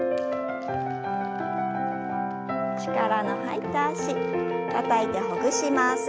力の入った脚たたいてほぐします。